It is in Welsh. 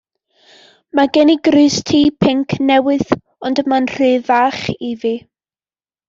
Mae gen i grys T pinc newydd ond mae'n rhy fach i fi.